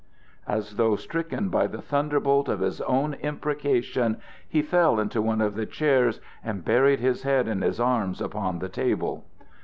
As though stricken by the thunderbolt of his own imprecation, he fell into one of the chairs and buried his head in his arms upon the table.